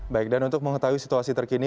baik dan untuk mengetahui situasi terkini